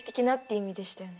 意味でしたよね。